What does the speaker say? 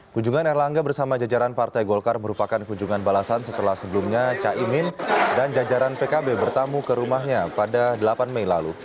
kunjungan erlangga bersama jajaran partai golkar merupakan kunjungan balasan setelah sebelumnya caimin dan jajaran pkb bertamu ke rumahnya pada delapan mei lalu